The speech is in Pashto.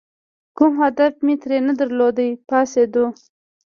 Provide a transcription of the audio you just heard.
کوم هدف مې ترې نه درلود، پاڅېدو.